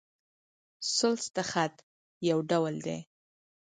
ثلث د خط؛ یو ډول دﺉ.